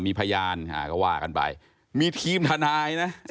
มีพยานก็ว่ากันไปมีทีมทนายนะ